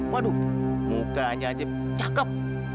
waduh mukanya aja cakep